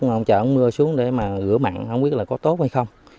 không chở mưa xuống để mà rửa mặn không biết là có tốt hay không